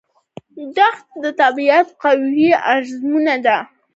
دښته د طبیعت قوي ازموینه ده.